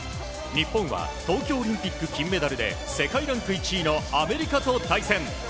日本は東京オリンピック金メダルで世界ランク１位のアメリカと対戦。